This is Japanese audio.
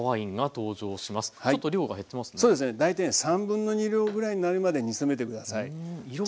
大体2/3量ぐらいになるまで煮詰めて下さい。